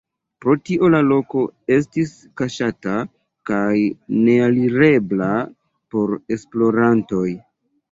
Pro tio la loko estis kaŝata kaj nealirebla por esplorantoj.